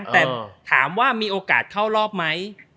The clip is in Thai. แต่ถามว่ามีโอกาสเข้ารอบไหม